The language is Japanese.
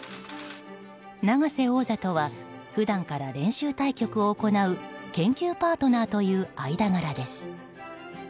永瀬王座とは普段から練習対局を行う研究パートナーという間柄です。